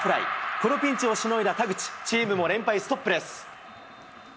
このピンチをしのいだ田口、チームも連敗ストップです。